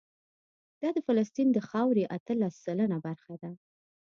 دا د فلسطین د خاورې اتلس سلنه برخه ده.